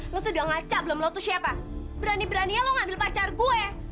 lo tuh udah ngaca belum lo tuh siapa berani beraninya lo ngambil pacar gue